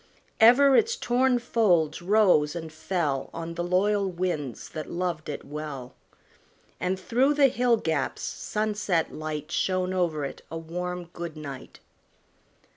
Ever its torn folds rose and fell On the loyal winds that loved it well; And through the hill gaps sunset light Shone over it a warm good night.